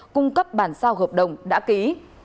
cung cấp bản sao hợp đồng đã ký